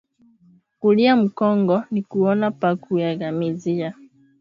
Kulia mukongo nikuona pa kuuegamizia